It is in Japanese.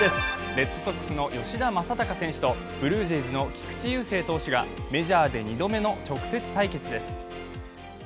レッドソックスの吉田正尚選手とブルージェイズの菊池雄星投手がメジャーで２度目の直接対決です。